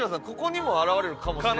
ここにも現れるかも。